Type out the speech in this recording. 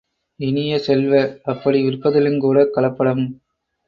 இனிய செல்வ, அப்படி விற்பதிலுங் கூடக் கலப்படம்!